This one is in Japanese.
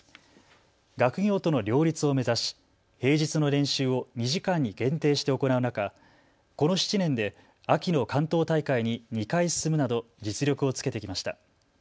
学業との両立を目指し、平日の練習を２時間に限定して行う中、この７年で秋の関東大会に２回進むなど実力をつけてきました。